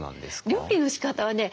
料理のしかたはね